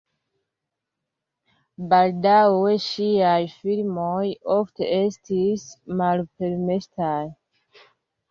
Baldaŭe ŝiaj filmoj ofte estis malpermesitaj.